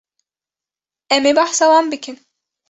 Em ê behsa wan bikin